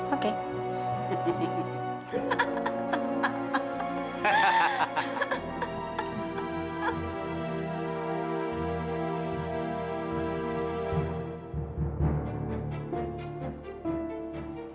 aku ingin tahu apa yang kamu inginkan